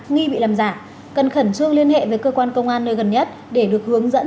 nghi bị làm giả cần khẩn trương liên hệ với cơ quan công an nơi gần nhất để được hướng dẫn